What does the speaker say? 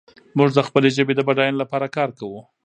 موږ د خپلې ژبې د بډاینې لپاره کار کوو.